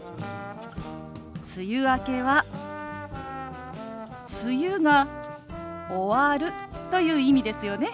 「梅雨明け」は「梅雨が終わる」という意味ですよね？